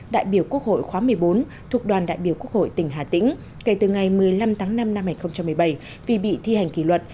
đại biểu quốc hội khóa một mươi bốn thuộc đoàn đại biểu quốc hội tỉnh hà tĩnh kể từ ngày một mươi năm tháng năm năm hai nghìn một mươi bảy vì bị thi hành kỷ luật